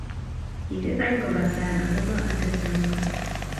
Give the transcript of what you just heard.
kikikany koba sang' akobo atebto ng'wang'